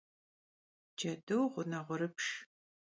Cedu ğuneğurıpşş.